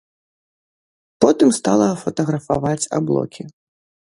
Потым стала фатаграфаваць аблокі.